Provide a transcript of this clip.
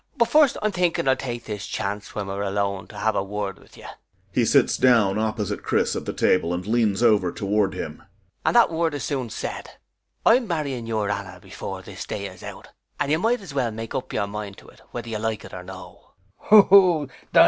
But first I'm thinking I'll take this chance when we're alone to have a word with you. [He sits down opposite CHRIS at the table and leans over toward him.] And that word is soon said. I'm marrying your Anna before this day is out, and you might as well make up your mind to it whether you like it or no. CHRIS [Glaring at him with hatred and forcing a scornful laugh.